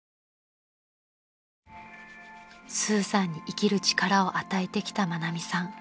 ［スーさんに生きる力を与えてきた愛美さん］